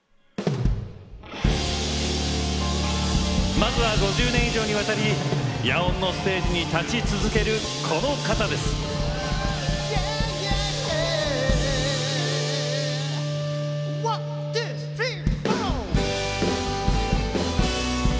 まずは５０年以上にわたり野音のステージに立ち続けるワン・ツー・スリー！